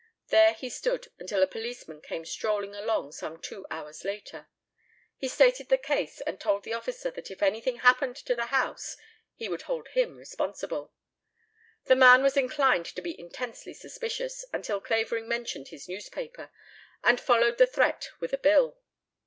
There he stood until a policeman came strolling along, some two hours later. He stated the case and told the officer that if anything happened to the house he would hold him responsible. The man was inclined to be intensely suspicious until Clavering mentioned his newspaper and followed the threat with a bill.